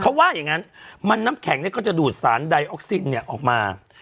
เขาว่าอย่างนั้นมันน้ำแข็งก็จะดูดสารดายออกซินออกมา